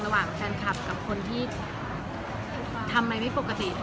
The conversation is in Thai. ระหว่างแฟนคับกับคนที่ทำไมไม่ปกติ